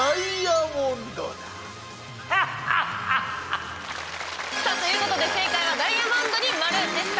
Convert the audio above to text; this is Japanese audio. ハハハハ！ということで、正解はダイヤモンドに丸でした。